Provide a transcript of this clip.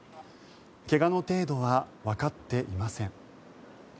怪我の程度はわかっていません。